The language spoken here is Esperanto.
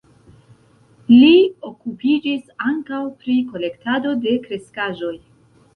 Li okupiĝis ankaŭ pri kolektado de kreskaĵoj.